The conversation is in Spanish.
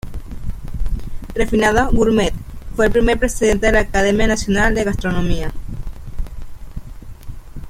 Refinado "gourmet", fue el primer presidente de la Academia Nacional de Gastronomía.